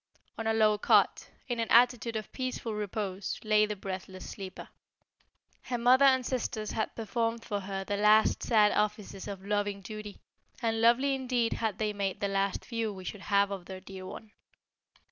On a low cot, in an attitude of peaceful repose, lay the breathless sleeper. Her mother and sisters had performed for her the last sad offices of loving duty, and lovely indeed had they made the last view we should have of their dear one.